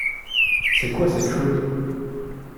C’est quoi cette chose ?